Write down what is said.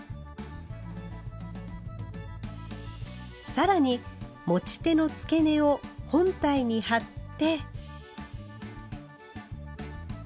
更に持ち手の付け根を本体に貼って。